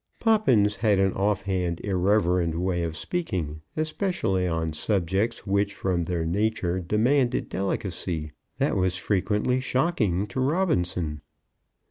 Poppins had an offhand, irreverent way of speaking, especially on subjects which from their nature demanded delicacy, that was frequently shocking to Robinson.